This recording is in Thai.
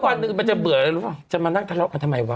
แล้ววันหนึ่งมันจะเบื่อจะมานักทะเลาะกันทำไมวะ